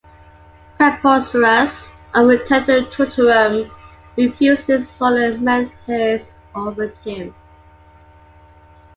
Preposterus, on return to Totorum, refuses all the menhirs offered him.